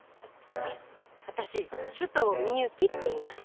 あっ私首藤ミユキっていいます。